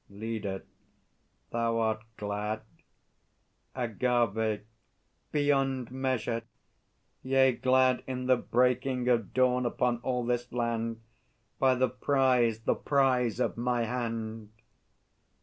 LEADER. Thou art glad? AGAVE. Beyond measure; Yea, glad in the breaking Of dawn upon all this land, By the prize, the prize of my hand!